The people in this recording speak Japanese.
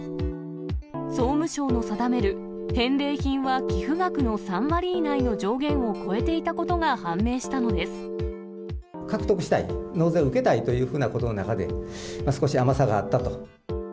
総務省の定める、返礼品は寄付額の３割以内の上限を超えていたことが判明したので獲得したい、納税受けたいというふうなことの中で、少し甘さがあったと。